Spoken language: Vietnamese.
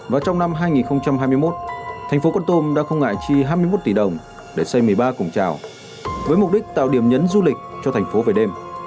và trong năm hai nghìn hai mươi một thành phố con tum đã không ngại chi hai mươi một tỷ đồng để xây một mươi ba cổng trào với mục đích tạo điểm nhấn du lịch cho thành phố về đêm